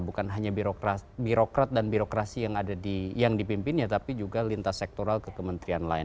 bukan hanya birokrat dan birokrasi yang dipimpinnya tapi juga lintas sektoral ke kementerian lain